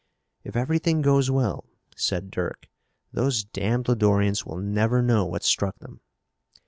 "If everything goes well," said Dirk, "those damned Lodorians will never know what struck them."